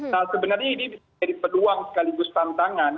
nah sebenarnya ini bisa jadi peluang sekaligus tantangan